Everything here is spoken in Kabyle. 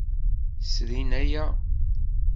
Srin aya.